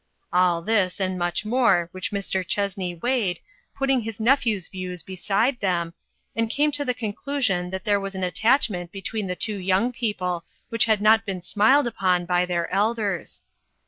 All this, and much more, which Mr. Chessney weighed, putting his nephew's views beside them, and came to the conclusion that there was an attachment between the two young people which had not been smiled upon by their elders.